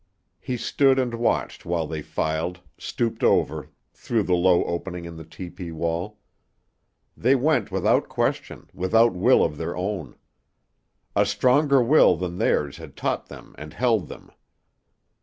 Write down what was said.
He stood and watched while they filed, stooped over, through the low opening in the tepee wall. They went without question, without will of their own. A stronger will than theirs had caught them and held them.